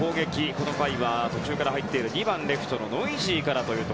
この回は途中から入っている２番レフトのノイジーから。